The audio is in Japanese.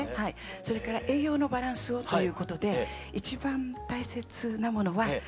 それから栄養のバランスをということで一番大切なものは大豆製品なんです。